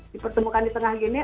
dipertemukan di tengah gini